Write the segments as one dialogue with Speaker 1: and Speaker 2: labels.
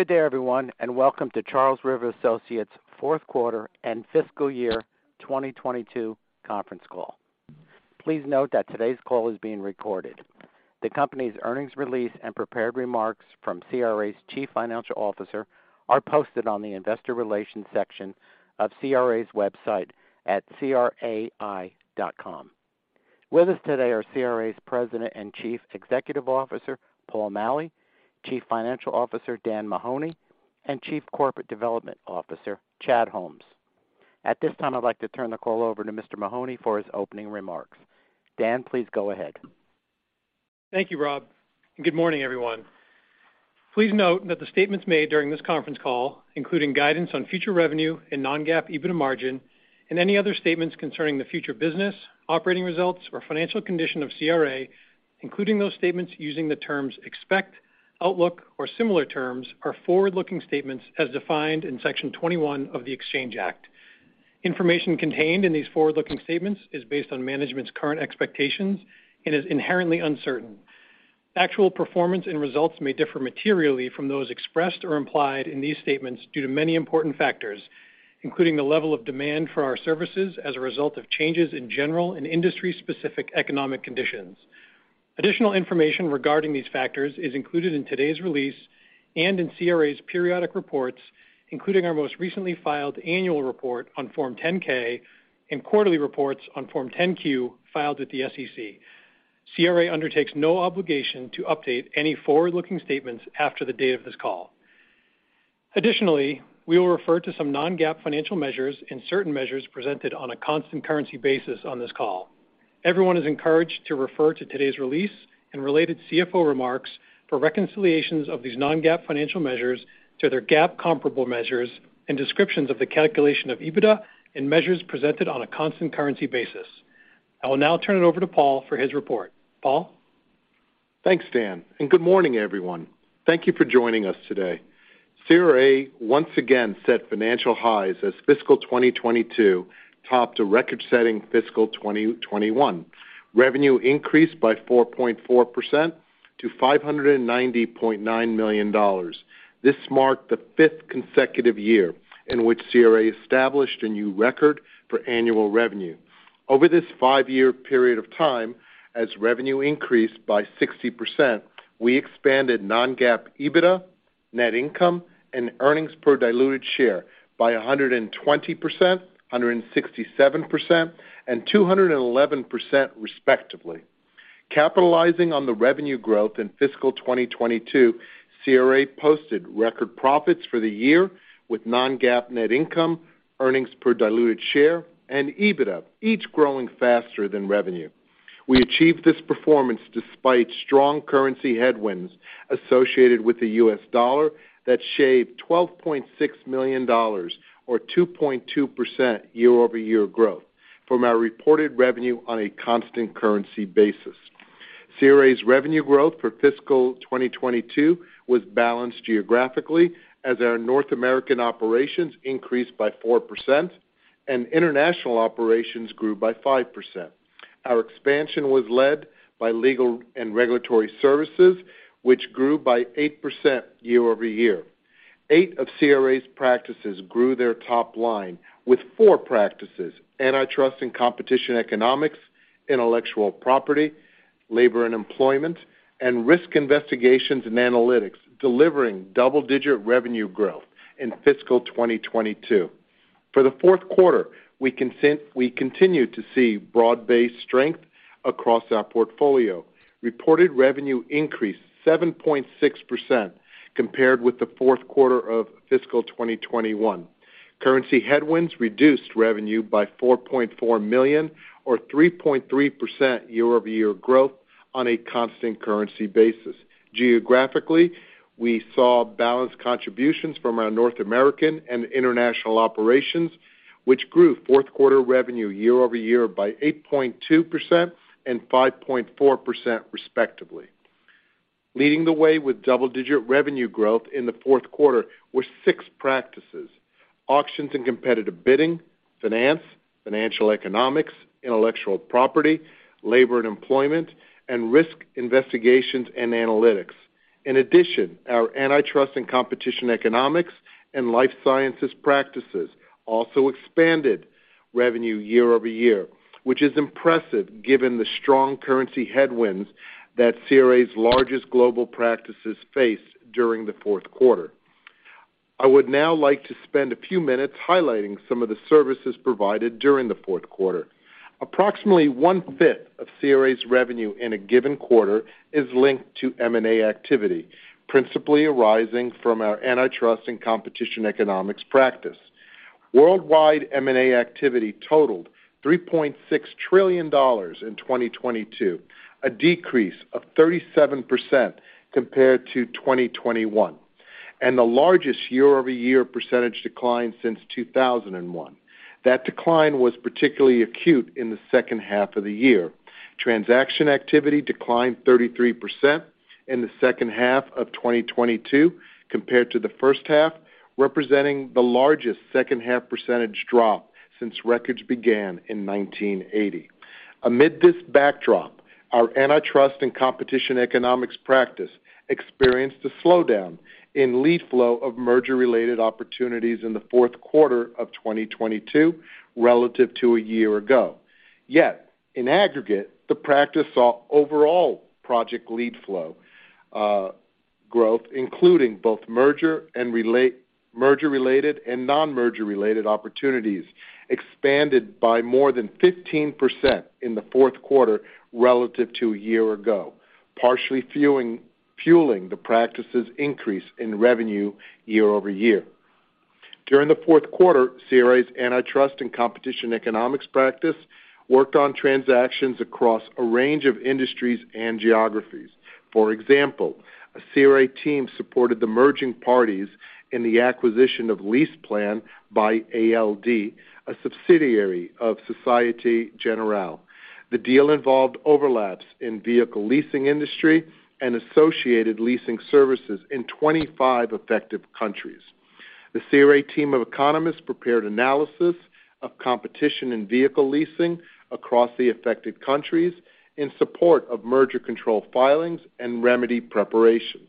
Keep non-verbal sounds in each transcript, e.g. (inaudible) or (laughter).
Speaker 1: Good day, everyone, and welcome to Charles River Associates' Fourth Quarter and Fiscal Year 2022 Conference Call. Please note that today's call is being recorded. The company's earnings release and prepared remarks from CRA's Chief Financial Officer are posted on the investor relations section of CRA's website at crai.com. With us today are CRA's President and Chief Executive Officer, Paul Maleh, Chief Financial Officer, Dan Mahoney, and Chief Corporate Development Officer, Chad Holmes. At this time, I'd like to turn the call over to Mr. Mahoney for his opening remarks. Dan, please go ahead.
Speaker 2: Thank you, Rob, Good morning, everyone. Please note that the statements made during this conference call, including guidance on future revenue and non-GAAP EBITDA margin and any other statements concerning the future business, operating results or financial condition of CRA, including those statements using the terms expect, outlook or similar terms, are forward-looking statements as defined in Section 21E of the Exchange Act. Information contained in these forward-looking statements is based on management's current expectations and is inherently uncertain. Actual performance and results may differ materially from those expressed or implied in these statements due to many important factors, including the level of demand for our services as a result of changes in general and industry-specific economic conditions. Additional information regarding these factors is included in today's release and in CRA's periodic reports, including our most recently filed annual report on Form 10-K and quarterly reports on Form 10-Q filed with the SEC. CRA undertakes no obligation to update any forward-looking statements after the date of this call. Additionally, we will refer to some non-GAAP financial measures and certain measures presented on a constant currency basis on this call. Everyone is encouraged to refer to today's release and related CFO remarks for reconciliations of these non-GAAP financial measures to their GAAP comparable measures and descriptions of the calculation of EBITDA and measures presented on a constant currency basis. I will now turn it over to Paul for his report. Paul?
Speaker 3: Thanks, Dan. Good morning, everyone. Thank you for joining us today. CRA once again set financial highs as fiscal 2022 topped a record-setting fiscal 2021. Revenue increased by 4.4% to $590.9 million. This marked the fifth consecutive year in which CRA established a new record for annual revenue. Over this five-year period of time, as revenue increased by 60%, we expanded non-GAAP EBITDA, net income and earnings per diluted share by 120%, 167% and 211%, respectively. Capitalizing on the revenue growth in fiscal 2022, CRA posted record profits for the year with non-GAAP net income, earnings per diluted share and EBITDA, each growing faster than revenue. We achieved this performance despite strong currency headwinds associated with the U.S. Dollar that shaved $12.6 million or 2.2% year-over-year growth from our reported revenue on a constant currency basis. CRA's revenue growth for fiscal 2022 was balanced geographically as our North American operations increased by 4% and international operations grew by 5%. Our expansion was led by legal and regulatory services, which grew by 8% year-over-year. Eight of CRA's practices grew their top line with four practices, Antitrust & Competition Economics, Intellectual Property, Labor & Employment, and Risk, Investigations & Analytics, delivering double-digit revenue growth in fiscal 2022. For the fourth quarter, we continued to see broad-based strength across our portfolio. Reported revenue increased 7.6% compared with the fourth quarter of fiscal 2021. Currency headwinds reduced revenue by $4.4 million or 3.3% year-over-year growth on a constant currency basis. Geographically, we saw balanced contributions from our North American and international operations, which grew fourth quarter revenue year-over-year by 8.2% and 5.4%, respectively. Leading the way with double-digit revenue growth in the fourth quarter were six practices: Auctions & Competitive Bidding, Finance, Financial Economics, Intellectual Property, Labor & Employment, and Risk, Investigations & Analytics. In addition, our Antitrust & Competition Economics and Life Sciences practices also expanded revenue year-over-year, which is impressive given the strong currency headwinds that CRA's largest global practices faced during the fourth quarter. I would now like to spend a few minutes highlighting some of the services provided during the fourth quarter. Approximately one-fifth of CRA's revenue in a given quarter is linked to M&A activity, principally arising from our Antitrust & Competition Economics practice. Worldwide M&A activity totaled $3.6 trillion in 2022, a decrease of 37% compared to 2021, and the largest year-over-year percentage decline since 2001. That decline was particularly acute in the second half of the year. Transaction activity declined 33% in the second half of 2022 compared to the first half, representing the largest second half percentage drop since records began in 1980. Amid this backdrop, our Antitrust & Competition Economics practice experienced a slowdown in lead flow of merger-related opportunities in the fourth quarter of 2022 relative to a year ago. In aggregate, the practice saw overall project lead flow growth, including both merger-related and non-merger-related opportunities, expanded by more than 15% in the fourth quarter relative to a year ago, partially fueling the practice's increase in revenue year-over-year. During the fourth quarter, CRA's Antitrust & Competition Economics practice worked on transactions across a range of industries and geographies. For example, a CRA team supported the merging parties in the acquisition of LeasePlan by ALD, a subsidiary of Société Générale. The deal involved overlaps in vehicle leasing industry and associated leasing services in 25 affected countries. The CRA team of economists prepared analysis of competition in vehicle leasing across the affected countries in support of merger control filings and remedy preparation.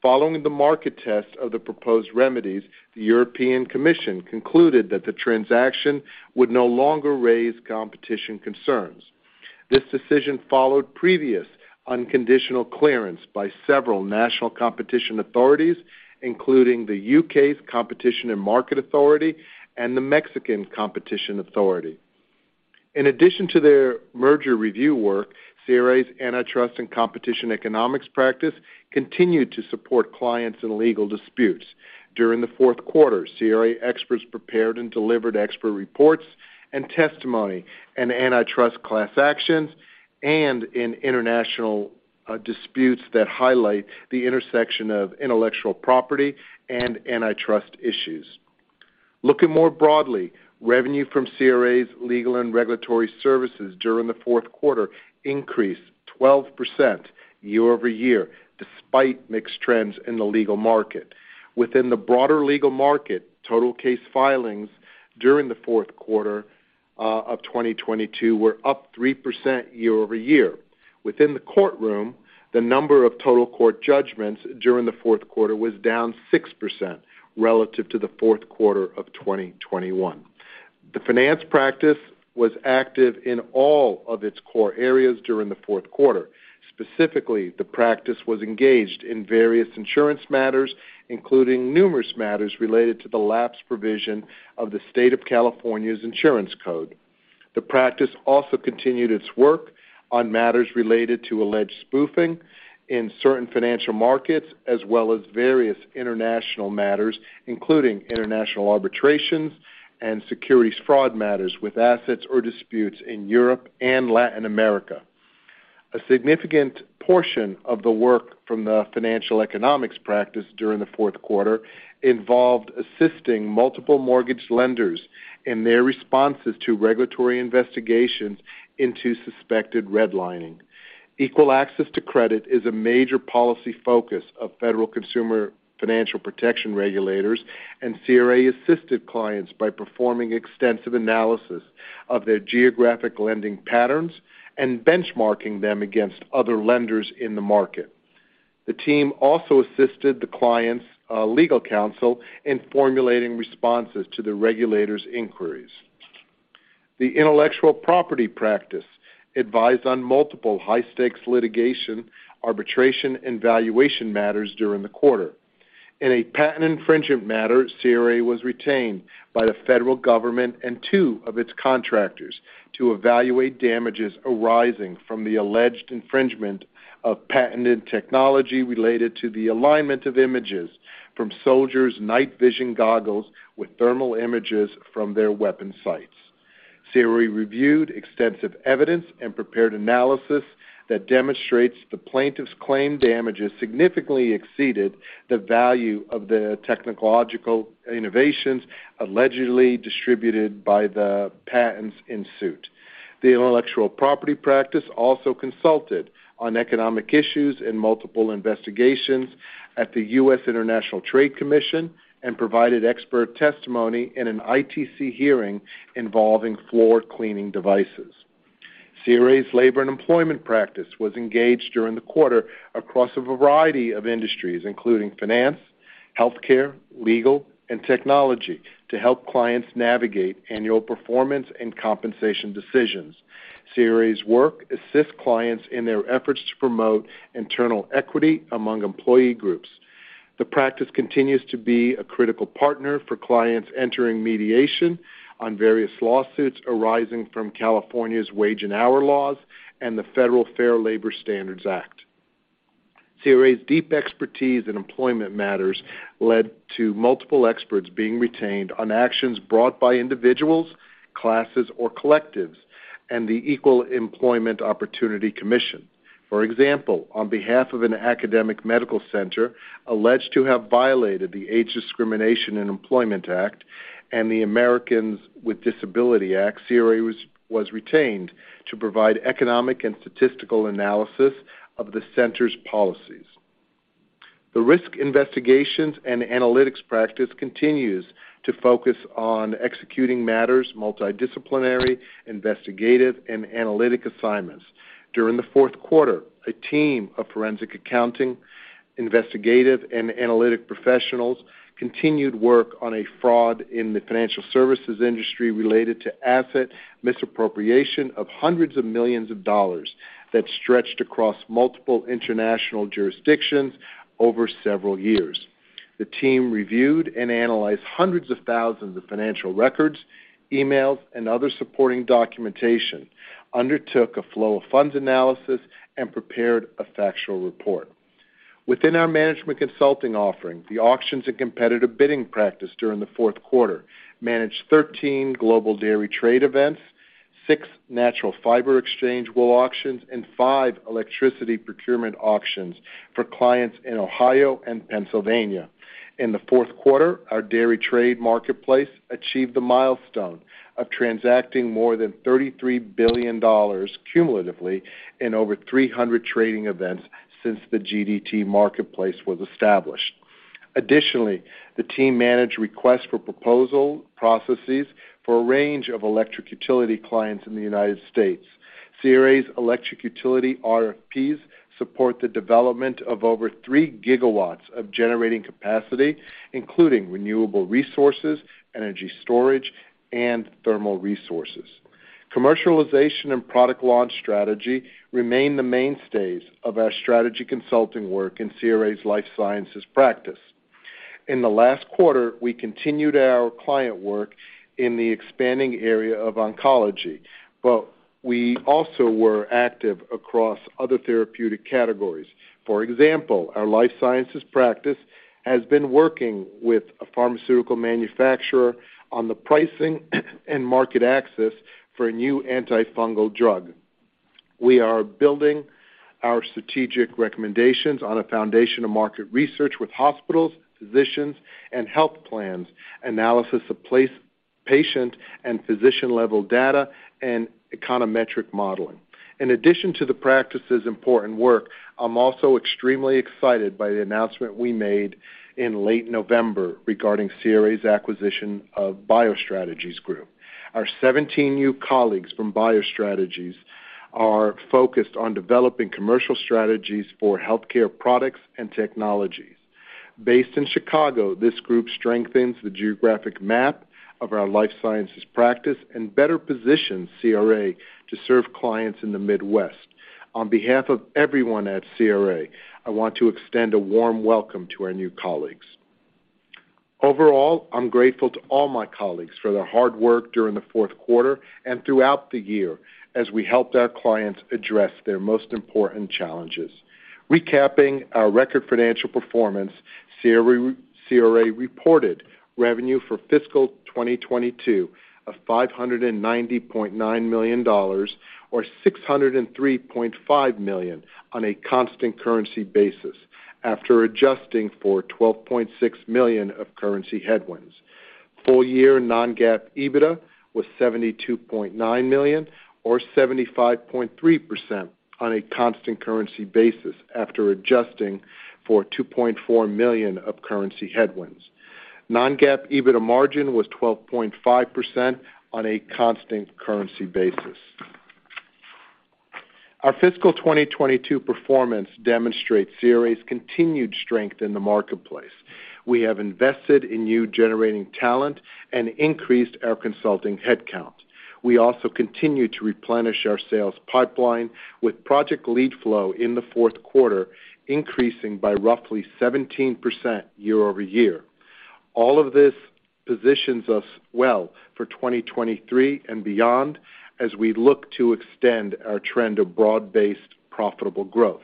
Speaker 3: Following the market test of the proposed remedies, the European Commission concluded that the transaction would no longer raise competition concerns. This decision followed previous unconditional clearance by several national competition authorities, including the U.K.'s Competition and Markets Authority and the Mexican Competition Authority. In addition to their merger review work, CRA's Antitrust & Competition Economics practice continued to support clients in legal disputes. During the fourth quarter, CRA experts prepared and delivered expert reports and testimony in antitrust class actions and in international disputes that highlight the intersection of Intellectual Property and Antitrust issues. Looking more broadly, revenue from CRA's Legal and Regulatory services during the fourth quarter increased 12% year-over-year, despite mixed trends in the legal market. Within the broader legal market, total case filings during the fourth quarter of 2022 were up 3% year-over-year. Within the courtroom, the number of total court judgments during the fourth quarter was down 6% relative to the fourth quarter of 2021. The Finance practice was active in all of its core areas during the fourth quarter. Specifically, the practice was engaged in various insurance matters, including numerous matters related to the lapse provision of the California Insurance Code. The practice also continued its work on matters related to alleged spoofing in certain financial markets, as well as various international matters, including international arbitrations and securities fraud matters with assets or disputes in Europe and Latin America. A significant portion of the work from the Financial Economics practice during the fourth quarter involved assisting multiple mortgage lenders in their responses to regulatory investigations into suspected redlining. Equal access to credit is a major policy focus of federal consumer financial protection regulators, and CRA assisted clients by performing extensive analysis of their geographic lending patterns and benchmarking them against other lenders in the market. The team also assisted the client's legal counsel in formulating responses to the regulators' inquiries. The Intellectual Property practice advised on multiple high-stakes litigation, arbitration, and valuation matters during the quarter. In a patent infringement matter, CRA was retained by the federal government and two of its contractors to evaluate damages arising from the alleged infringement of patented technology related to the alignment of images from soldiers' night vision goggles with thermal images from their weapon sites. CRA reviewed extensive evidence and prepared analysis that demonstrates the plaintiff's claimed damages significantly exceeded the value of the technological innovations allegedly distributed by the patents in suit. The Intellectual Property practice also consulted on economic issues in multiple investigations at the U.S. International Trade Commission and provided expert testimony in an ITC hearing involving floor cleaning devices. CRA's Labor & Employment practice was engaged during the quarter across a variety of industries, including finance, healthcare, legal, and technology, to help clients navigate annual performance and compensation decisions. CRA's work assists clients in their efforts to promote internal equity among employee groups. The practice continues to be a critical partner for clients entering mediation on various lawsuits arising from California's wage and hour laws and the federal Fair Labor Standards Act. CRA's deep expertise in employment matters led to multiple experts being retained on actions brought by individuals, classes, or collectives and the Equal Employment Opportunity Commission. For example, on behalf of an academic medical center alleged to have violated the Age Discrimination in Employment Act and the Americans with Disabilities Act, CRA was retained to provide economic and statistical analysis of the center's policies. The Risk, Investigations & Analytics practice continues to focus on executing matters, multidisciplinary, investigative and analytic assignments. During the fourth quarter, a team of forensic accounting, investigative and analytic professionals continued work on a fraud in the financial services industry related to asset misappropriation of hundreds of millions of dollars that stretched across multiple international jurisdictions over several years. The team reviewed and analyzed hundreds of thousands of financial records, emails, and other supporting documentation, undertook a flow of funds analysis and prepared a factual report. Within our management consulting offering, the Auctions & Competitive Bidding practice during the fourth quarter managed 13 Global Dairy Trade events, six Natural Fibre Exchange wool auctions, and five electricity procurement auctions for clients in Ohio and Pennsylvania. In the fourth quarter, our dairy trade marketplace achieved the milestone of transacting more than $33 billion cumulatively in over 300 trading events since the GDT marketplace was established. Additionally, the team managed requests for proposal processes for a range of electric utility clients in the United States. CRA's electric utility RFPs support the development of over 3 gigawatts of generating capacity, including renewable resources, energy storage, and thermal resources. Commercialization and product launch strategy remain the mainstays of our strategy consulting work in CRA's Life Sciences practice. In the last quarter, we continued our client work in the expanding area of oncology, we also were active across other therapeutic categories. For example, our Life Sciences practice has been working with a pharmaceutical manufacturer on the pricing and market access for a new antifungal drug. We are building our strategic recommendations on a foundation of market research with hospitals, physicians, and health plans, analysis of patient and physician-level data, and econometric modeling. In addition to the practice's important work, I'm also extremely excited by the announcement we made in late November regarding CRA's acquisition of bioStrategies Group. Our 17 new colleagues from bioStrategies are focused on developing commercial strategies for healthcare products and technologies. Based in Chicago, this group strengthens the geographic map of our Life Sciences practice and better positions CRA to serve clients in the Midwest. On behalf of everyone at CRA, I want to extend a warm welcome to our new colleagues. Overall, I'm grateful to all my colleagues for their hard work during the fourth quarter and throughout the year as we helped our clients address their most important challenges. Recapping our record financial performance, CRA reported revenue for fiscal 2022 of $590.9 million or $603.5 million on a constant currency basis after adjusting for $12.6 million of currency headwinds. Full year non-GAAP EBITDA was $72.9 million or 75.3% on a constant currency basis after adjusting for $2.4 million of currency headwinds. Non-GAAP EBITDA margin was 12.5% on a constant currency basis. Our fiscal 2022 performance demonstrates CRA's continued strength in the marketplace. We have invested in new generating talent and increased our consulting headcount. We also continue to replenish our sales pipeline with project lead flow in the fourth quarter, increasing by roughly 17% year-over-year. This positions us well for 2023 and beyond as we look to extend our trend of broad-based, profitable growth.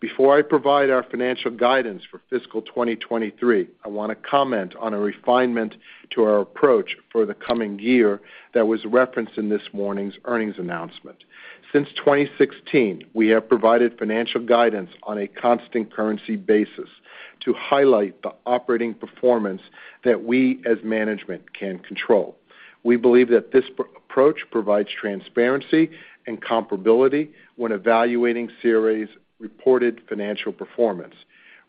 Speaker 3: Before I provide our financial guidance for fiscal 2023, I want to comment on a refinement to our approach for the coming year that was referenced in this morning's earnings announcement. Since 2016, we have provided financial guidance on a constant currency basis to highlight the operating performance that we, as management, can control. We believe that this approach provides transparency and comparability when evaluating CRA's reported financial performance.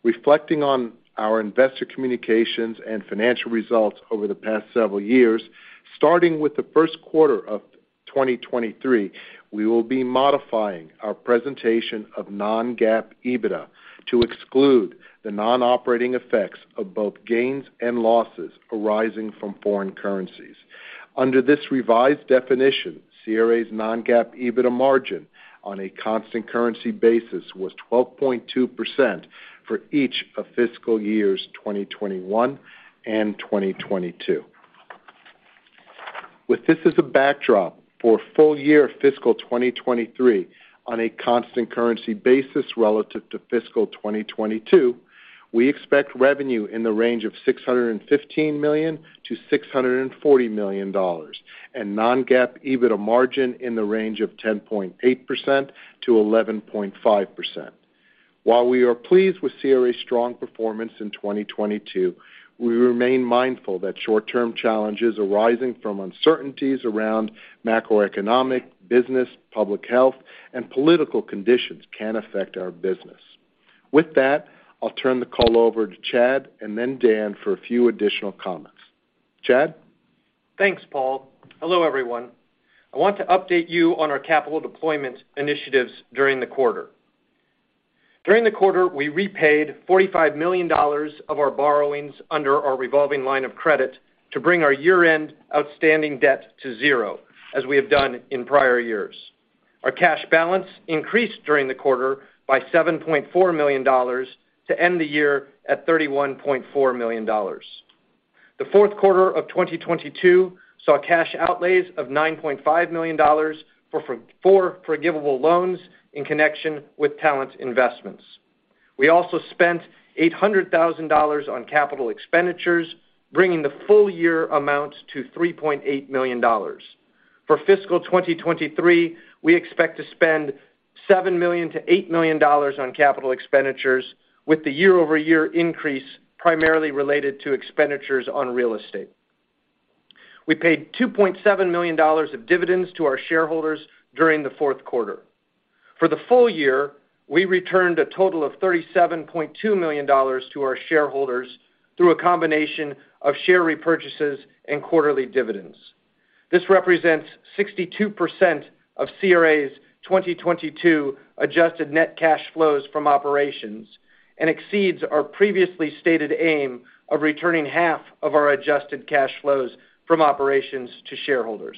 Speaker 3: Reflecting on our investor communications and financial results over the past several years, starting with the first quarter of 2023, we will be modifying our presentation of non-GAAP EBITDA to exclude the non-operating effects of both gains and losses arising from foreign currencies. Under this revised definition, CRA's non-GAAP EBITDA margin on a constant currency basis was 12.2% for each of fiscal years 2021 and 2022. With this as a backdrop for full year fiscal 2023 on a constant currency basis relative to fiscal 2022, we expect revenue in the range of $615 million-$640 million and non-GAAP EBITDA margin in the range of 10.8%-11.5%. While we are pleased with CRA's strong performance in 2022, we remain mindful that short-term challenges arising from uncertainties around macroeconomic, business, public health, and political conditions can affect our business. With that, I'll turn the call over to Chad and then Dan for a few additional comments. Chad?
Speaker 4: Thanks, Paul. Hello, everyone. I want to update you on our capital deployment initiatives during the quarter. During the quarter, we repaid $45 million of our borrowings under our revolving line of credit to bring our year-end outstanding debt to zero, as we have done in prior years. Our cash balance increased during the quarter by $7.4 million to end the year at $31.4 million. The fourth quarter of 2022 saw cash outlays of $9.5 million for four forgivable loans in connection with talent investments. We also spent $800,000 on CapEx, bringing the full year amount to $3.8 million. For fiscal 2023, we expect to spend $7 million-$8 million on CapEx, with the year-over-year increase primarily related to expenditures on real estate. We paid $2.7 million of dividends to our shareholders during the fourth quarter. For the full year, we returned a total of $37.2 million to our shareholders through a combination of share repurchases and quarterly dividends. This represents 62% of CRA's 2022 adjusted net cash flows from operations and exceeds our previously stated aim of returning half of our adjusted cash flows from operations to shareholders.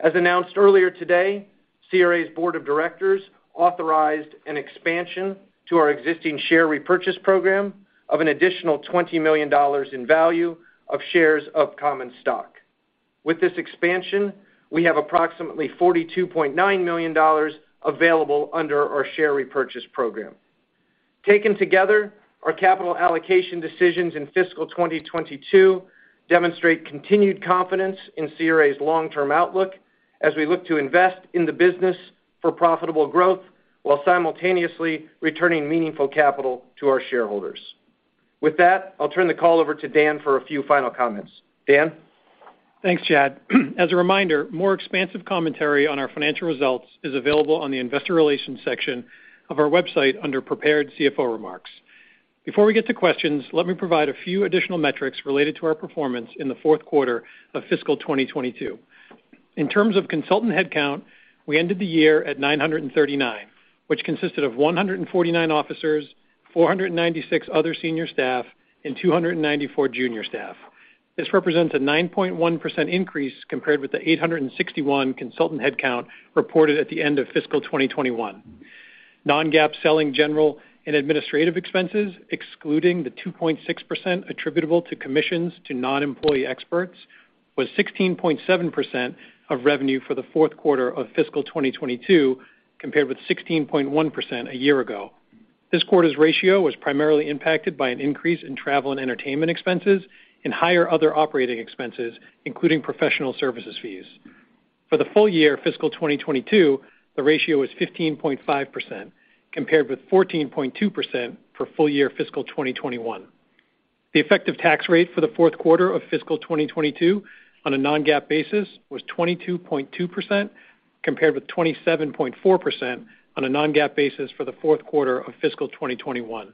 Speaker 4: As announced earlier today, CRA's board of directors authorized an expansion to our existing share repurchase program of an additional $20 million in value of shares of common stock. With this expansion, we have approximately $42.9 million available under our share repurchase program. Taken together, our capital allocation decisions in fiscal 2022 demonstrate continued confidence in CRA's long-term outlook as we look to invest in the business for profitable growth while simultaneously returning meaningful capital to our shareholders. With that, I'll turn the call over to Dan for a few final comments. Dan?
Speaker 2: Thanks, Chad. As a reminder, more expansive commentary on our financial results is available on the investor relations section of our website under Prepared CFO Remarks. Before we get to questions, let me provide a few additional metrics related to our performance in the fourth quarter of fiscal 2022. In terms of consultant headcount, we ended the year at 939, which consisted of 149 officers, 496 other senior staff, and 294 junior staff. This represents a 9.1% increase compared with the 861 consultant headcount reported at the end of fiscal 2021. Non-GAAP SG&A, excluding the 2.6% attributable to commissions to non-employee experts, was 16.7% of revenue for the fourth quarter of fiscal 2022, compared with 16.1% a year ago. This quarter's ratio was primarily impacted by an increase in travel and entertainment expenses and higher other operating expenses, including professional services fees. For the full year fiscal 2022, the ratio was 15.5%, compared with 14.2% for full year fiscal 2021. The effective tax rate for the fourth quarter of fiscal 2022 on a non-GAAP basis was 22.2%, compared with 27.4% on a non-GAAP basis for the fourth quarter of fiscal 2021.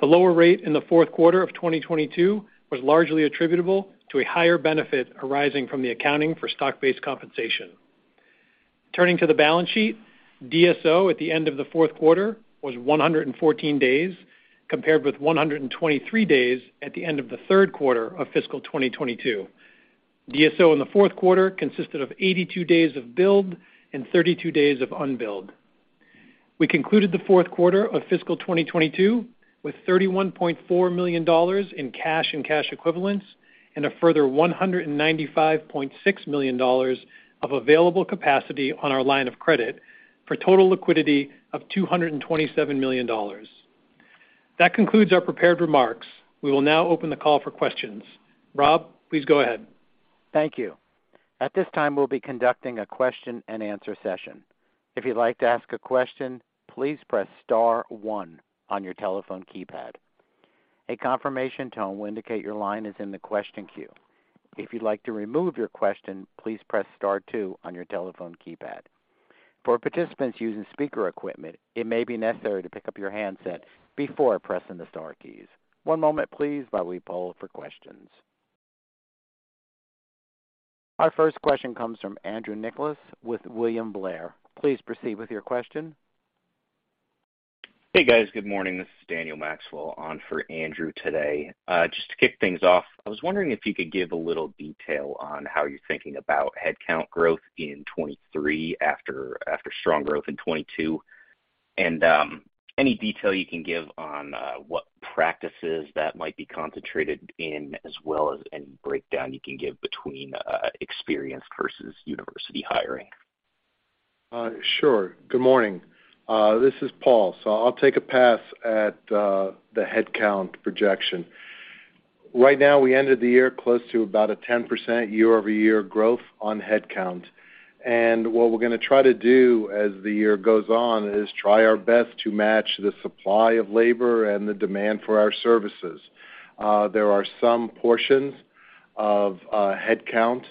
Speaker 2: The lower rate in the fourth quarter of 2022 was largely attributable to a higher benefit arising from the accounting for stock-based compensation. Turning to the balance sheet, DSO at the end of the fourth quarter was 114 days, compared with 123 days at the end of the third quarter of fiscal 2022. DSO in the fourth quarter consisted of 82 days of billed and 32 days of unbilled. We concluded the fourth quarter of fiscal 2022 with $31.4 million in cash and cash equivalents and a further $195.6 million of available capacity on our line of credit for total liquidity of $227 million. That concludes our prepared remarks. We will now open the call for questions. Rob, please go ahead.
Speaker 1: Thank you. At this time, we'll be conducting a question-and-answer session. If you'd like to ask a question, please press star one on your telephone keypad. A confirmation tone will indicate your line is in the question queue. If you'd like to remove your question, please press star two on your telephone keypad. For participants using speaker equipment, it may be necessary to pick up your handset before pressing the star keys. One moment please while we poll for questions. Our first question comes from Andrew Nicholas with William Blair. Please proceed with your question.
Speaker 5: Hey, guys. Good morning. This is Daniel Maxwell on for Andrew today. Just to kick things off, I was wondering if you could give a little detail on how you're thinking about headcount growth in 2023 after strong growth in 2022. Any detail you can give on what practices that might be concentrated in as well as any breakdown you can give between experienced versus university hiring.
Speaker 3: Sure. Good morning. This is Paul. I'll take a pass at the headcount projection. Right now, we ended the year close to about a 10% year-over-year growth on headcount. What we're gonna try to do as the year goes on is try our best to match the supply of labor and the demand for our services. There are some portions of headcount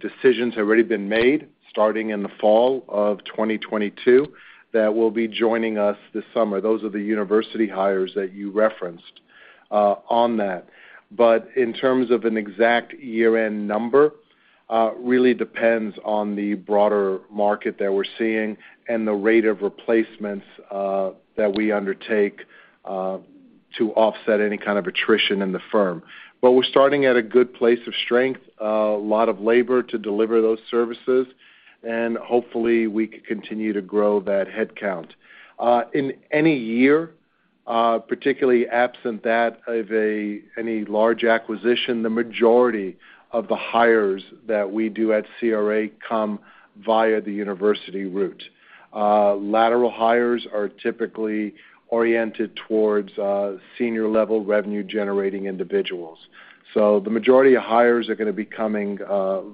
Speaker 3: Decisions have already been made starting in the fall of 2022 that will be joining us this summer. Those are the university hires that you referenced on that. In terms of an exact year-end number, really depends on the broader market that we're seeing and the rate of replacements that we undertake to offset any kind of attrition in the firm. We're starting at a good place of strength, a lot of labor to deliver those services, and hopefully we can continue to grow that headcount. In any year, particularly absent any large acquisition, the majority of the hires that we do at CRA come via the university route. Lateral hires are typically oriented towards senior-level revenue-generating individuals. The majority of hires are gonna be coming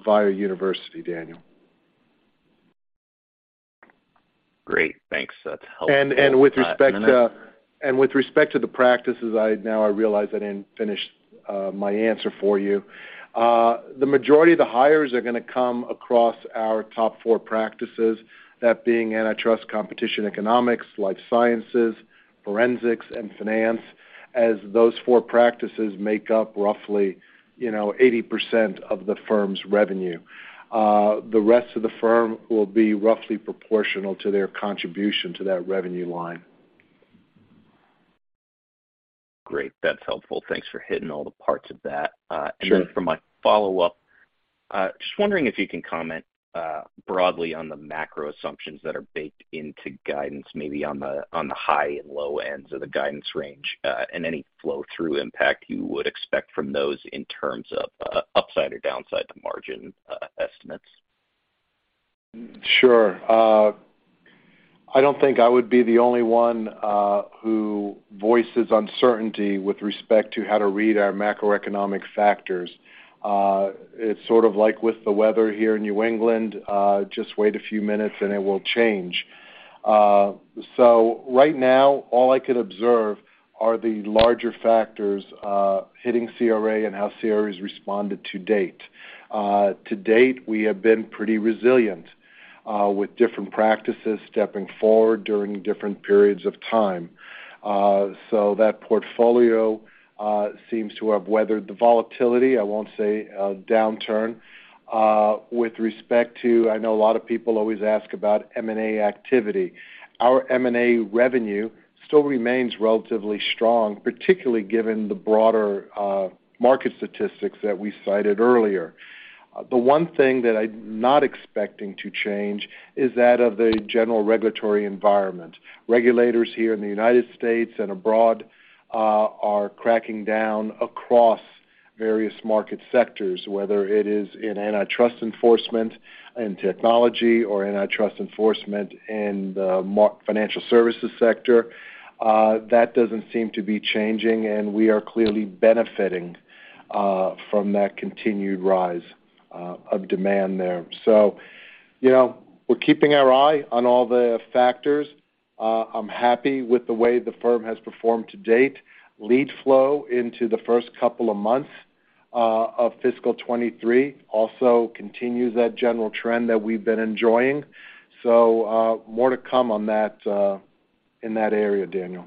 Speaker 3: via university, Daniel.
Speaker 5: Great. Thanks. That's helpful.
Speaker 3: (crosstalk)
Speaker 5: Can I?
Speaker 3: With respect to the practices, I realize I didn't finish my answer for you. The majority of the hires are gonna come across our top four practices, that being Antitrust, Competition Economics, Life Sciences, Forensics, and Finance, as those four practices make up roughly, you know, 80% of the firm's revenue. The rest of the firm will be roughly proportional to their contribution to that revenue line.
Speaker 5: Great. That's helpful. Thanks for hitting all the parts of that.
Speaker 3: Sure.
Speaker 5: For my follow-up, just wondering if you can comment broadly on the macro assumptions that are baked into guidance, maybe on the high and low ends of the guidance range, and any flow-through impact you would expect from those in terms of upside or downside the margin estimates?
Speaker 3: Sure. I don't think I would be the only one who voices uncertainty with respect to how to read our macroeconomic factors. It's sort of like with the weather here in New England, just wait a few minutes and it will change. Right now all I could observe are the larger factors hitting CRA and how CRA has responded to date. To date, we have been pretty resilient with different practices stepping forward during different periods of time. That portfolio seems to have weathered the volatility, I won't say a downturn. With respect to I know a lot of people always ask about M&A activity. Our M&A revenue still remains relatively strong, particularly given the broader market statistics that we cited earlier. The one thing that I'm not expecting to change is that of the general regulatory environment. Regulators here in the United States and abroad, are cracking down across various market sectors, whether it is in antitrust enforcement, in technology or antitrust enforcement in the Financial Services sector. That doesn't seem to be changing, and we are clearly benefiting from that continued rise of demand there. You know, we're keeping our eye on all the factors. I'm happy with the way the firm has performed to date. Lead flow into the first couple of months of fiscal 2023 also continues that general trend that we've been enjoying. More to come on that in that area, Daniel.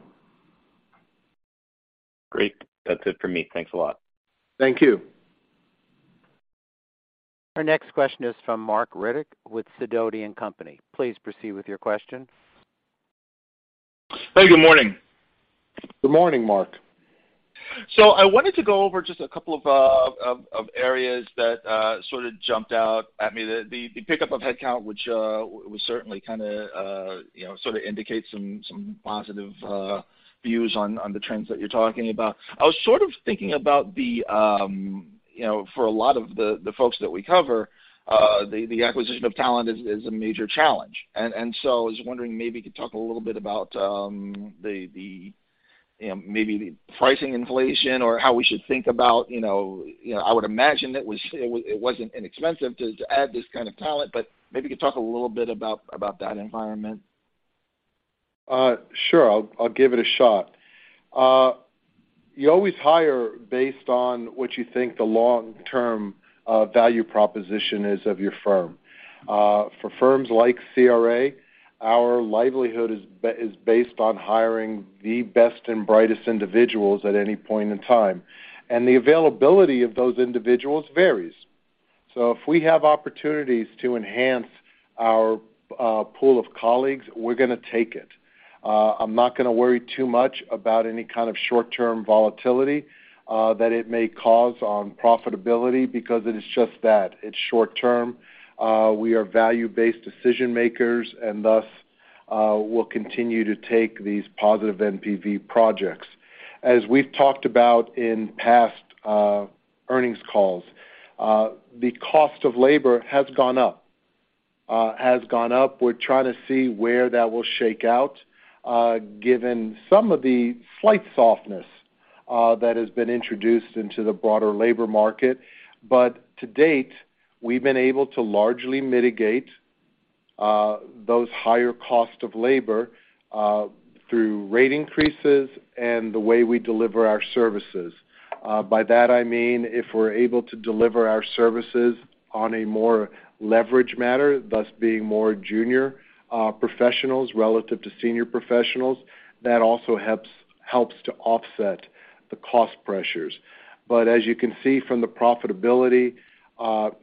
Speaker 5: Great. That's it for me. Thanks a lot.
Speaker 3: Thank you.
Speaker 1: Our next question is from Marc Riddick with Sidoti & Company. Please proceed with your question.
Speaker 6: Hey, good morning.
Speaker 3: Good morning, Marc.
Speaker 6: I wanted to go over just a couple of areas that sort of jumped out at me. The pickup of headcount, which was certainly kinda, you know, sort of indicates some positive views on the trends that you're talking about. I was sort of thinking about the, you know, for a lot of the folks that we cover, the acquisition of talent is a major challenge. I was wondering maybe you could talk a little bit about the, you know, maybe the pricing inflation or how we should think about, you know. You know, I would imagine it wasn't inexpensive to add this kind of talent, but maybe you could talk a little bit about that environment.
Speaker 3: Sure. I'll give it a shot. You always hire based on what you think the long-term value proposition is of your firm. For firms like CRA, our livelihood is based on hiring the best and brightest individuals at any point in time, and the availability of those individuals varies. If we have opportunities to enhance our pool of colleagues, we're gonna take it. I'm not gonna worry too much about any kind of short-term volatility that it may cause on profitability because it is just that. It's short term. We are value-based decision-makers, and thus, we'll continue to take these positive NPV projects. As we've talked about in past earnings calls, the cost of labor has gone up. We're trying to see where that will shake out, given some of the slight softness that has been introduced into the broader labor market. To date, we've been able to largely mitigate those higher cost of labor through rate increases and the way we deliver our services. By that I mean, if we're able to deliver our services on a more leverage matter, thus being more junior professionals relative to senior professionals, that also helps to offset the cost pressures. As you can see from the profitability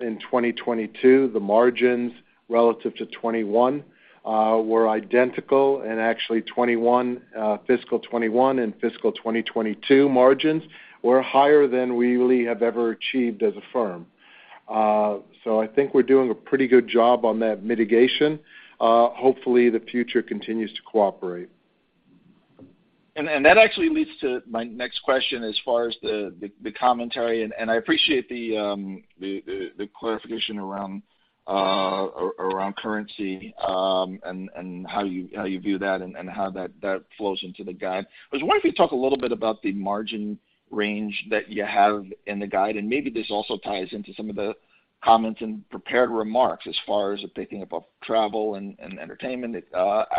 Speaker 3: in 2022, the margins relative to 2021 were identical. Actually 2021, fiscal 2021 and fiscal 2022 margins were higher than we really have ever achieved as a firm. So I think we're doing a pretty good job on that mitigation. Hopefully, the future continues to cooperate.
Speaker 6: That actually leads to my next question as far as the commentary, and I appreciate the clarification around currency, and how you view that and how that flows into the guide. I was wondering if you could talk a little bit about the margin range that you have in the guide, and maybe this also ties into some of the comments in prepared remarks as far as picking up of travel and entertainment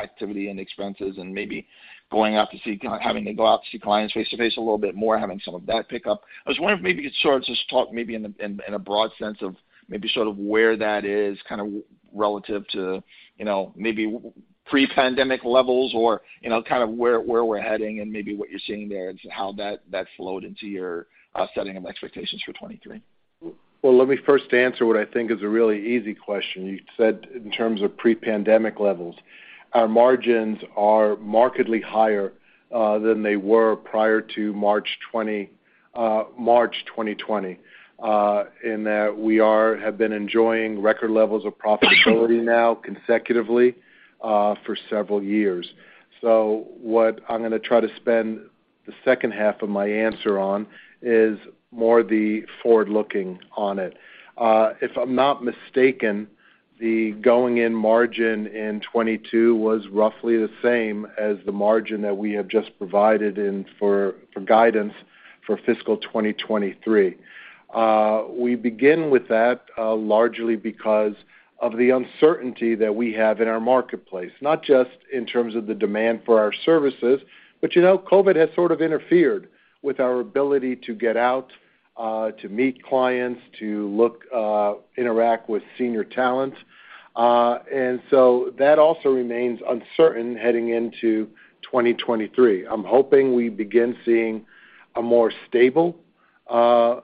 Speaker 6: activity and expenses, and maybe going out to see clients face-to-face a little bit more, having some of that pick up. I was wondering if maybe you could sort of just talk maybe in a broad sense of maybe sort of where that is kind of relative to, you know, maybe pre-pandemic levels or, you know, kind of where we're heading and maybe what you're seeing there and how that flowed into your setting of expectations for 2023.
Speaker 3: Well, let me first answer what I think is a really easy question. You said in terms of pre-pandemic levels. Our margins are markedly higher than they were prior to March 2020, in that we have been enjoying record levels of profitability now consecutively for several years. What I'm gonna try to spend the second half of my answer on is more the forward-looking on it. If I'm not mistaken, the going-in margin in 2022 was roughly the same as the margin that we have just provided in for guidance for fiscal 2023. We begin with that, largely because of the uncertainty that we have in our marketplace, not just in terms of the demand for our services, but, you know, COVID has sort of interfered with our ability to get out, to meet clients, to look, interact with senior talent. That also remains uncertain heading into 2023. I'm hoping we begin seeing a more stable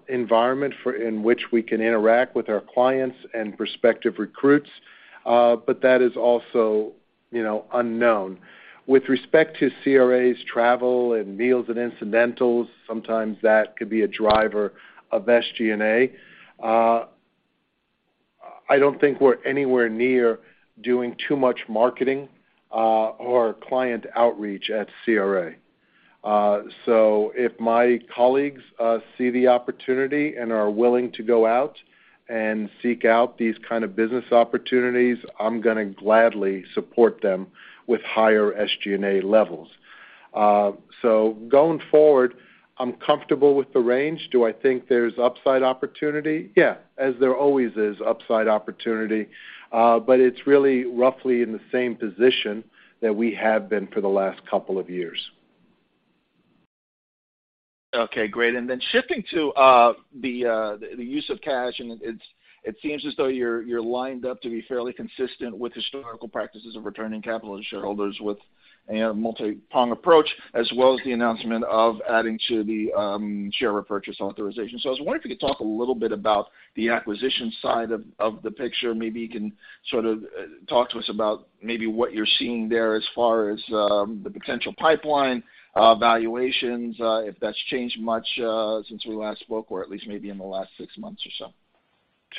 Speaker 3: environment in which we can interact with our clients and prospective recruits, but that is also, you know, unknown. With respect to CRA's travel and meals and incidentals, sometimes that could be a driver of SG&A. I don't think we're anywhere near doing too much marketing, or client outreach at CRA. If my colleagues see the opportunity and are willing to go out and seek out these kind of business opportunities, I'm gonna gladly support them with higher SG&A levels. Going forward, I'm comfortable with the range. Do I think there's upside opportunity? Yeah, as there always is upside opportunity, but it's really roughly in the same position that we have been for the last couple of years.
Speaker 6: Okay, great. Shifting to the use of cash, it seems as though you're lined up to be fairly consistent with historical practices of returning capital to shareholders with a multi-prong approach, as well as the announcement of adding to the share repurchase authorization. I was wondering if you could talk a little bit about the acquisition side of the picture. Maybe you can sort of talk to us about maybe what you're seeing there as far as the potential pipeline, valuations, if that's changed much since we last spoke, or at least maybe in the last six months or so.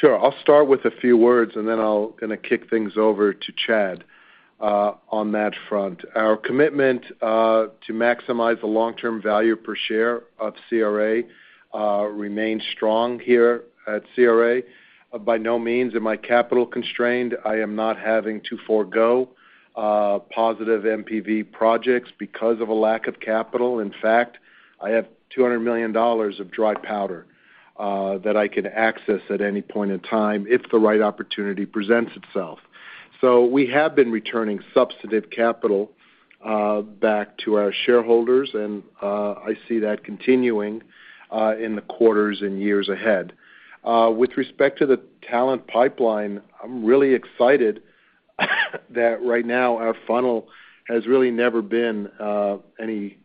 Speaker 3: Sure. I'll start with a few words, and then I'll gonna kick things over to Chad on that front. Our commitment to maximize the long-term value per share of CRA remains strong here at CRA. By no means am I capital constrained. I am not having to forego positive NPV projects because of a lack of capital. In fact, I have $200 million of dry powder that I can access at any point in time if the right opportunity presents itself. We have been returning substantive capital back to our shareholders, and I see that continuing in the quarters and years ahead. With respect to the talent pipeline, I'm really excited that right now our funnel has really never been any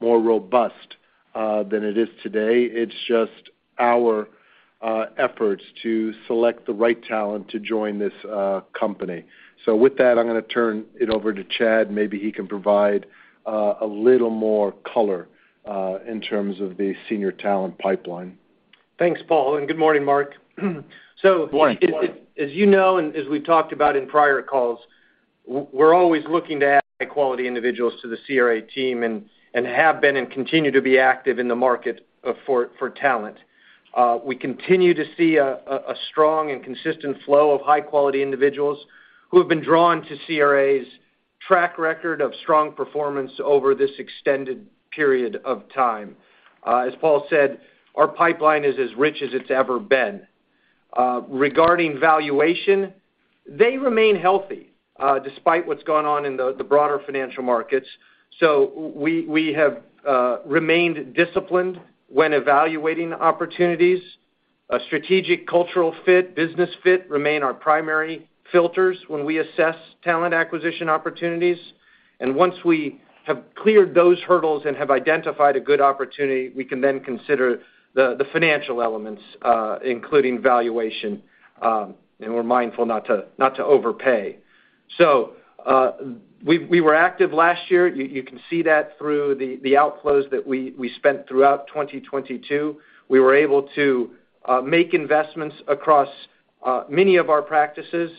Speaker 3: more robust than it is today. It's just our efforts to select the right talent to join this company. With that, I'm gonna turn it over to Chad. Maybe he can provide a little more color in terms of the senior talent pipeline.
Speaker 4: Thanks, Paul, and good morning, Marc.
Speaker 6: Good morning.
Speaker 4: As you know and as we've talked about in prior calls, we're always looking to add high-quality individuals to the CRA team and have been and continue to be active in the market, for talent. We continue to see a strong and consistent flow of high-quality individuals who have been drawn to CRA's. track record of strong performance over this extended period of time. As Paul said, our pipeline is as rich as it's ever been. Regarding valuation, they remain healthy despite what's gone on in the broader financial markets. We have remained disciplined when evaluating opportunities. A strategic cultural fit, business fit remain our primary filters when we assess talent acquisition opportunities. Once we have cleared those hurdles and have identified a good opportunity, we can then consider the financial elements, including valuation, and we're mindful not to overpay. We were active last year. You can see that through the outflows that we spent throughout 2022. We were able to make investments across many of our practices,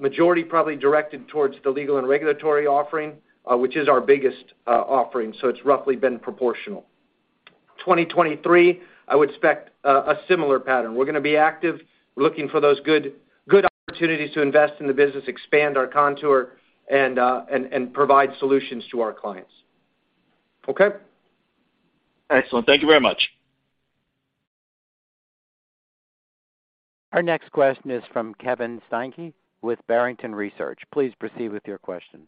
Speaker 4: majority probably directed towards the legal and regulatory offering, which is our biggest offering, so it's roughly been proportional. 2023, I would expect a similar pattern. We're gonna be active. We're looking for those good opportunities to invest in the business, expand our contour and provide solutions to our clients. Okay?
Speaker 6: Excellent. Thank you very much.
Speaker 1: Our next question is from Kevin Steinke with Barrington Research. Please proceed with your question.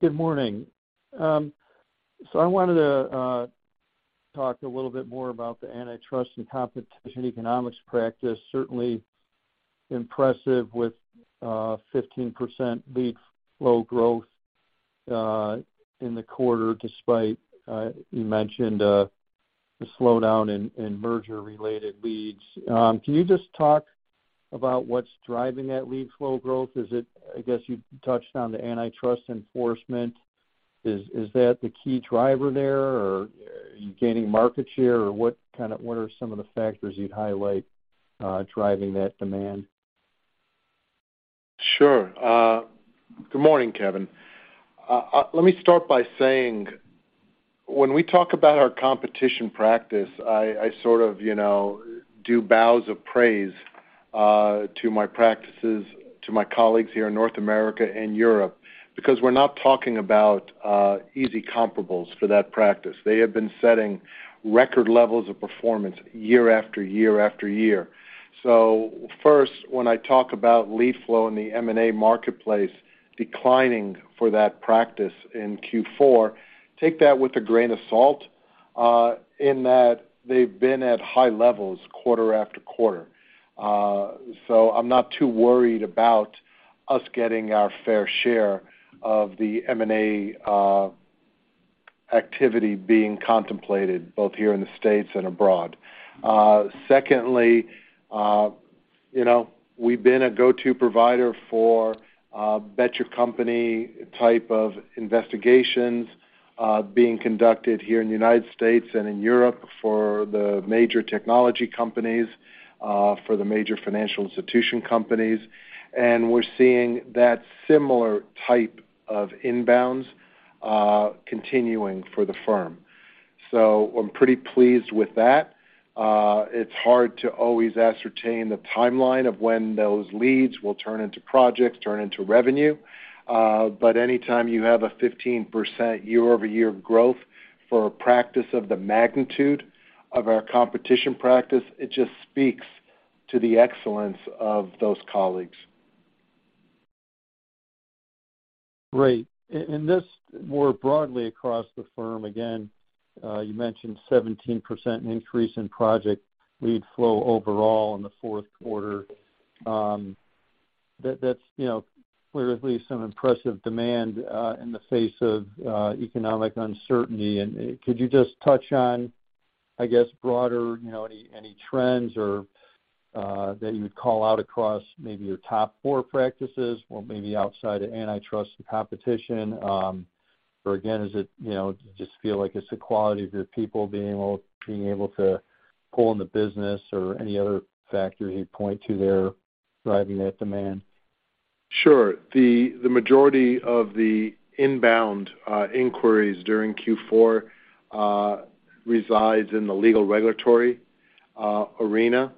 Speaker 7: Good morning. I wanted to talk a little bit more about the Antitrust & Competition Economics practice. Certainly impressive with 15% lead flow growth in the quarter, despite you mentioned the slowdown in merger-related leads. Can you just talk about what's driving that lead flow growth? I guess you touched on the antitrust enforcement. Is that the key driver there, or are you gaining market share? Or what are some of the factors you'd highlight driving that demand?
Speaker 3: Sure. Good morning, Kevin. Let me start by saying, when we talk about our competition practice, I sort of, you know, do bows of praise to my practices, to my colleagues here in North America and Europe, because we're not talking about easy comparables for that practice. They have been setting record levels of performance year after year after year. First, when I talk about lead flow in the M&A marketplace declining for that practice in Q4, take that with a grain of salt, in that they've been at high levels quarter after quarter. I'm not too worried about us getting our fair share of the M&A activity being contemplated, both here in the States and abroad. Secondly, you know, we've been a go-to provider for bet-your-company type of investigations, being conducted here in the United States and in Europe for the major technology companies, for the major financial institution companies, and we're seeing that similar type of inbounds, continuing for the firm. I'm pretty pleased with that. It's hard to always ascertain the timeline of when those leads will turn into projects, turn into revenue. But any time you have a 15% year-over-year growth for a practice of the magnitude of our Competition practice, it just speaks to the excellence of those colleagues.
Speaker 7: Great. This more broadly across the firm, again, you mentioned 17% increase in project lead flow overall in the fourth quarter. That's, you know, clearly some impressive demand in the face of economic uncertainty. Could you just touch on, I guess, broader, you know, any trends or that you would call out across maybe your top four practices or maybe outside of Antitrust & Competition? Or again, is it, you know, just feel like it's the quality of your people being able to pull in the business or any other factor you'd point to there driving that demand?
Speaker 3: Sure. The majority of the inbound inquiries during Q4 resides in the legal regulatory arena,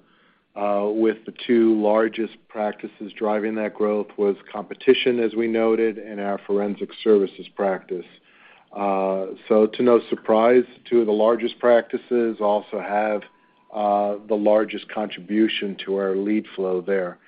Speaker 3: with the two largest practices driving that growth was Competition, as we noted, and our Forensic Services practice. To no surprise, two of the largest practices also have the largest contribution to our lead flow there.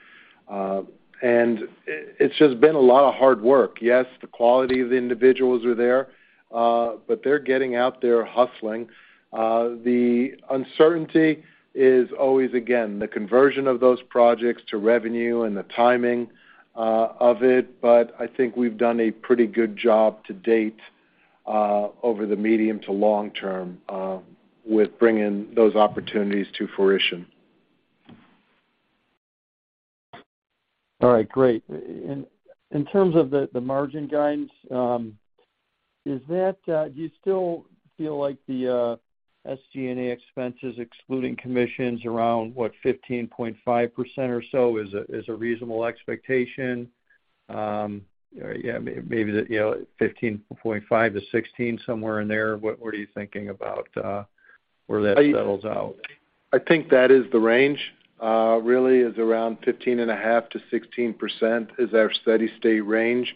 Speaker 3: And it's just been a lot of hard work. Yes, the quality of the individuals are there, but they're getting out there hustling. The uncertainty is always, again, the conversion of those projects to revenue and the timing of it, but I think we've done a pretty good job to date over the medium to long term with bringing those opportunities to fruition.
Speaker 7: All right, great. In terms of the margin guidance, is that do you still feel like the SG&A expenses excluding commissions around, what, 15.5% or so is a reasonable expectation? Yeah, maybe the, you know, 15.5%-16%, somewhere in there. What are you thinking about where that settles out?
Speaker 3: I think that is the range, really is around 15.5%-16% is our steady state range.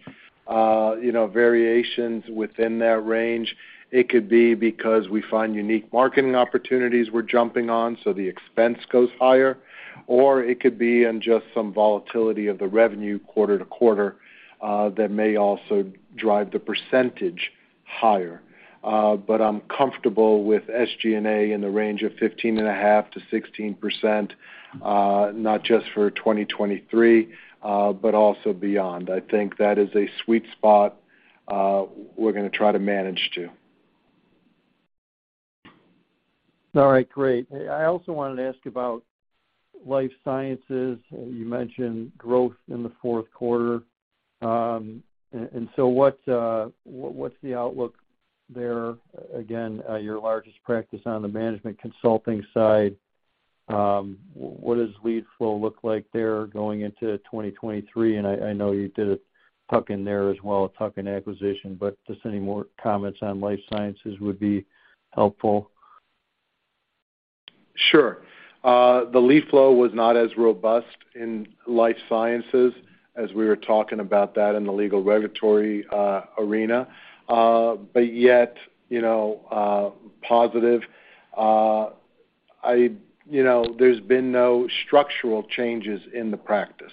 Speaker 3: You know, variations within that range, it could be because we find unique marketing opportunities we're jumping on, so the expense goes higher, or it could be in just some volatility of the revenue quarter to quarter, that may also drive the percentage higher. I'm comfortable with SG&A in the range of 15.5%-16%, not just for 2023, but also beyond. I think that is a sweet spot, we're gonna try to manage to.
Speaker 7: All right, great. I also wanted to ask about Life Sciences. You mentioned growth in the fourth quarter. What's the outlook there? Again, your largest practice on the management consulting side. What does lead flow look like there going into 2023? I know you did a tuck in there as well, a tuck in acquisition, but just any more comments on Life Sciences would be helpful.
Speaker 3: Sure. The lead flow was not as robust in Life Sciences as we were talking about that in the legal regulatory arena. Yet, you know, positive. You know, there's been no structural changes in the practice.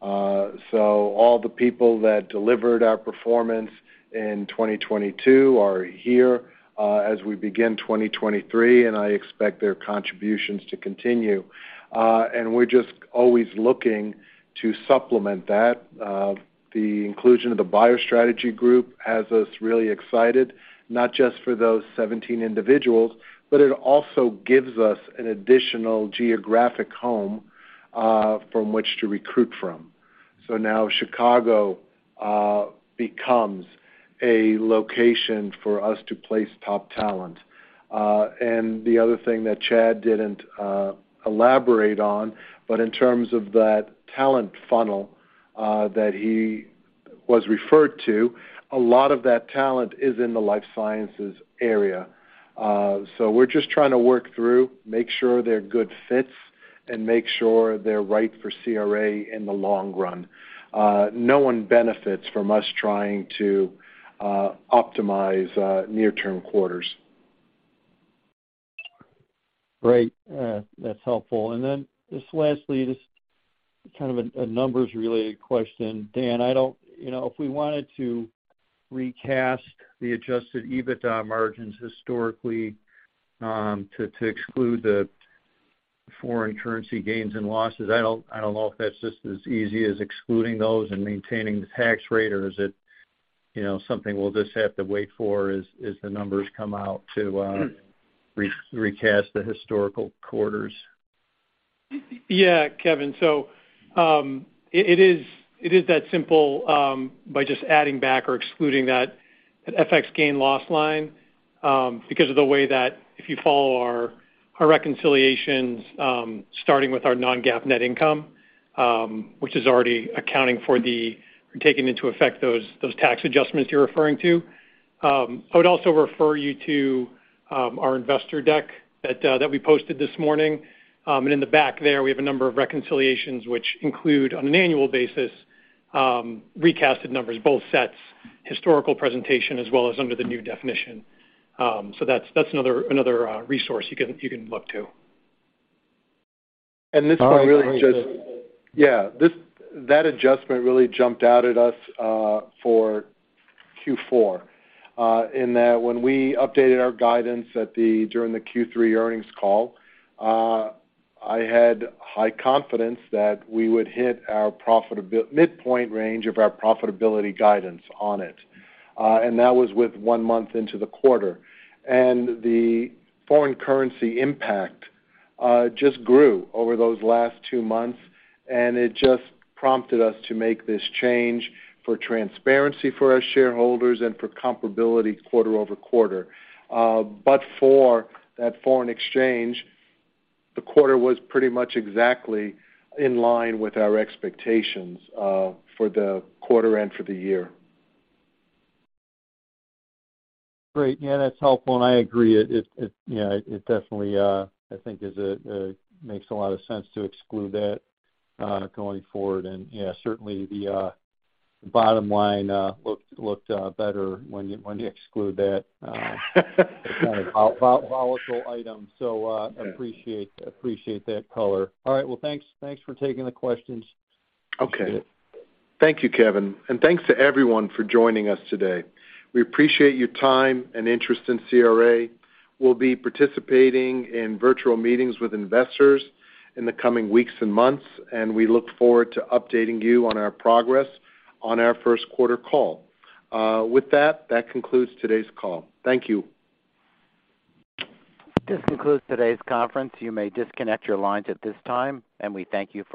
Speaker 3: All the people that delivered our performance in 2022 are here as we begin 2023, and I expect their contributions to continue. We're just always looking to supplement that. The inclusion of the bioStrategies Group has us really excited, not just for those 17 individuals, but it also gives us an additional geographic home from which to recruit from. Now Chicago becomes a location for us to place top talent. The other thing that Chad didn't elaborate on, but in terms of that talent funnel that he was referred to, a lot of that talent is in the Life Sciences area. We're just trying to work through, make sure they're good fits and make sure they're right for CRA in the long run. No one benefits from us trying to optimize near-term quarters.
Speaker 7: Great. That's helpful. Just lastly, just kind of a numbers-related question. Dan, you know, if we wanted to recast the Adjusted EBITDA margins historically, to exclude the foreign currency gains and losses, I don't know if that's just as easy as excluding those and maintaining the tax rate, or is it, you know, something we'll just have to wait for as the numbers come out to-
Speaker 3: Hmm.
Speaker 7: recast the historical quarters?
Speaker 2: Yeah, Kevin. It is that simple, by just adding back or excluding that FX gain loss line, because of the way that if you follow our reconciliations, starting with our non-GAAP net income, which is already accounting for taking into effect those tax adjustments you're referring to. I would also refer you to our investor deck that we posted this morning. In the back there, we have a number of reconciliations which include, on an annual basis, recasted numbers, both sets, historical presentation, as well as under the new definition. That's another resource you can look to.
Speaker 3: (crosstalk)
Speaker 7: All right.
Speaker 3: Yeah. That adjustment really jumped out at us for Q4 in that when we updated our guidance during the Q3 earnings call, I had high confidence that we would hit our midpoint range of our profitability guidance on it. That was with one month into the quarter. The foreign currency impact just grew over those last two months, and it just prompted us to make this change for transparency for our shareholders and for comparability quarter-over-quarter. For that foreign exchange, the quarter was pretty much exactly in line with our expectations for the quarter and for the year.
Speaker 7: Great. Yeah, that's helpful, and I agree. It, you know, it definitely, I think makes a lot of sense to exclude that going forward. Yeah, certainly the bottom line looked better when you exclude that kind of volatile item. Appreciate that color. All right. Well, thanks for taking the questions.
Speaker 3: Okay. Thank you, Kevin. Thanks to everyone for joining us today. We appreciate your time and interest in CRA. We'll be participating in virtual meetings with investors in the coming weeks and months, and we look forward to updating you on our progress on our first quarter call. With that concludes today's call. Thank you.
Speaker 1: This concludes today's conference. You may disconnect your lines at this time, and we thank you for your participation.